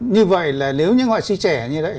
như vậy là nếu những họa sĩ trẻ như đấy